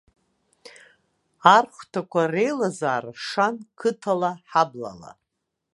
Архәҭақәа реилазаара шан қыҭала, ҳаблала.